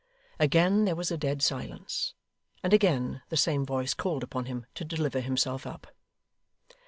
Again there was a dead silence, and again the same voice called upon him to deliver himself up.